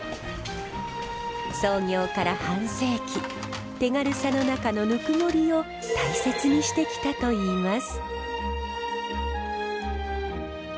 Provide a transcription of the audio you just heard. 創業から半世紀手軽さの中のぬくもりを大切にしてきたといいます。